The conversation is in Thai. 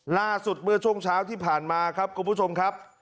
ล่าสุดเมื่อช่วงเช้าที่ผ่านมาครับคุณผู้ชมครับ